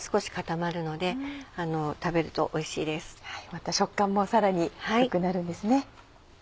また食感もさらに良くなるんですね。